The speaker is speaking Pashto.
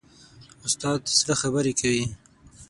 استاد د زړه خبرې کوي.